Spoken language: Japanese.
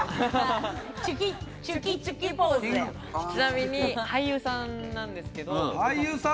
ちなみに俳優さんなんですけれども。